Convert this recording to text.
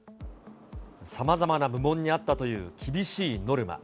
さまざまな部門にあったという厳しいノルマ。